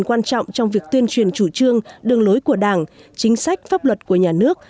quan trọng trong việc tuyên truyền chủ trương đường lối của đảng chính sách pháp luật của nhà nước